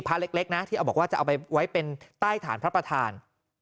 เล็กนะที่เอาบอกว่าจะเอาไปไว้เป็นใต้ฐานพระประธาน